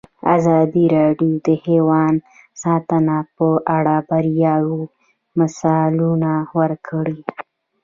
ازادي راډیو د حیوان ساتنه په اړه د بریاوو مثالونه ورکړي.